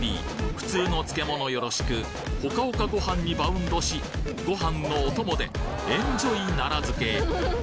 普通の漬物よろしくホカホカご飯にバウンドしご飯のお供でエンジョイ奈良漬